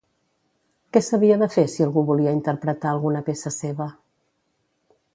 Què s'havia de fer si algú volia interpretar alguna peça seva?